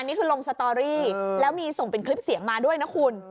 นี่คือลงสตอรี่แล้วมีส่งเป็นคลิปเสียงมาด้วยนะคุณ